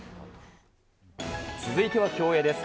続いては競泳です。